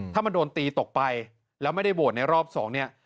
ถ้ามันโดนตีตกไปแล้วไม่ได้โหวตในรอบสองเนี่ย